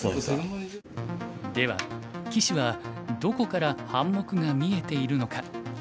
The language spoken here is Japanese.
では棋士はどこから半目が見えているのか。